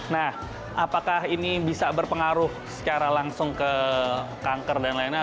nah apakah ini bisa berpengaruh secara langsung ke kanker dan lainnya